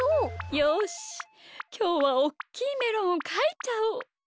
よしきょうはおっきいメロンをかいちゃおう。